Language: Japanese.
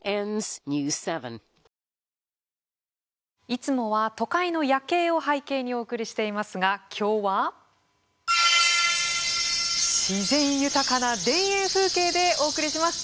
いつもは都会の夜景を背景にお送りしていますがきょうは自然豊かな田園風景でお送りします。